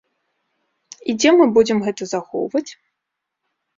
І дзе мы будзем гэта захоўваць?